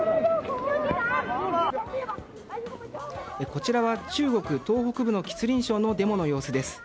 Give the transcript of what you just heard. こちらは中国東北部の吉林省のデモの様子です。